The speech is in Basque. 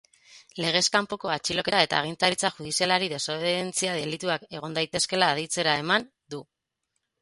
Legez kanpoko atxiloketa eta agintaritza judizialari desobedientzia delituak egon daitezkeela aditzera eman du.